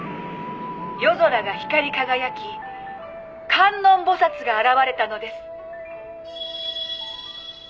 「夜空が光り輝き観音菩薩が現れたのです！」